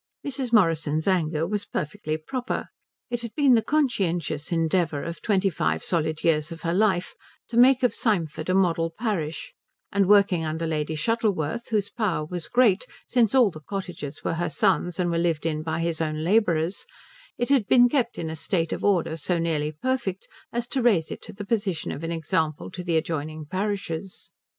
Mrs. Morrison's anger was perfectly proper. It had been the conscientious endeavour of twenty five solid years of her life to make of Symford a model parish, and working under Lady Shuttleworth, whose power was great since all the cottages were her son's and were lived in by his own labourers, it had been kept in a state of order so nearly perfect as to raise it to the position of an example to the adjoining parishes.